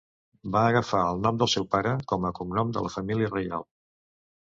Va agafar el nom del seu pare com a cognom de la família reial.